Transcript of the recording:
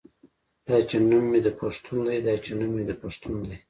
دا چې نوم مې د پښتون دے دا چې نوم مې د پښتون دے